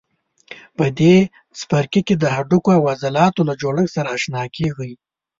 په دې څپرکي کې د هډوکو او عضلاتو له جوړښت سره آشنا کېږئ.